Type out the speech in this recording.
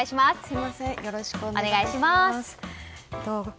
よろしくお願いします。